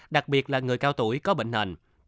đặc biệt là người cao tuổi có bệnh hệ